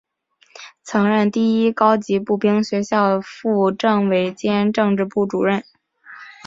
曾任第一高级步兵学校副政委兼政治部主任。